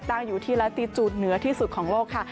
ตั้งอยู่ที่ลาติจูดเหนือที่สุดของโลกค่ะ